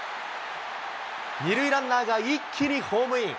二塁ランナーが一気にホームイン。